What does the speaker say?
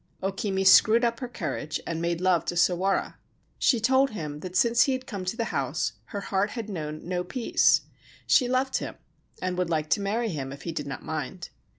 O Kimi screwed up her courage and made love to Sawara. She told him that since he had come to the house her heart had known no peace. She loved him, and would like to marry him if he did not mind.